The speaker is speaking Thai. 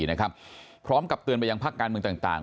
นะครับพร้อมกับเตือนให้ยังพักการเมืองต่าง